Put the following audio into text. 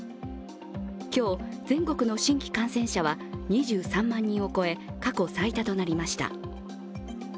今日、全国の新規感染者は２３万人を超え過去最多となりました。